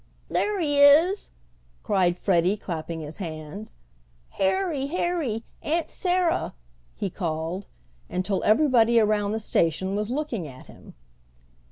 "There he is," cried Freddie, clapping his hands. "Harry! Harry! Aunt Sarah!" he called, until everybody around the station was looking at him.